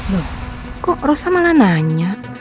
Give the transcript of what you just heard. loh kok rosa malah nanya